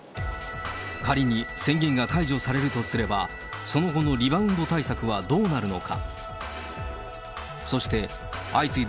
仮に宣言が解除されるとすれば、その後のリバウンド対策はどうなるのか。